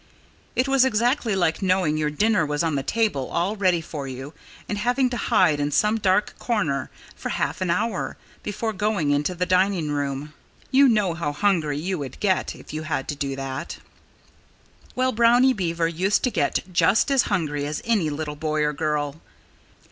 It was exactly like knowing your dinner was on the table, all ready for you, and having to hide in some dark corner for half an hour, before going into the dining room. You know how hungry you would get, if you had to do that. Well, Brownie Beaver used to get just as hungry as any little boy or girl.